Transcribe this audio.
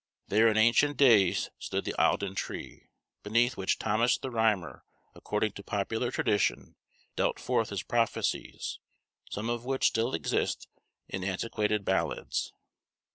There in ancient days stood the Eildon tree, beneath which Thomas the Rhymer, according to popular tradition, dealt forth his prophecies, some of which still exist in antiquated ballads.